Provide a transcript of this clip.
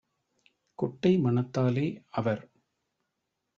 குட்டை மனத்தாலே - அவர்